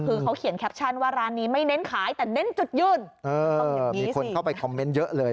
คือเขาเขียนแคปชั่นว่าร้านนี้ไม่เน้นขายแต่เน้นจุดยืนมีคนเข้าไปคอมเมนต์เยอะเลย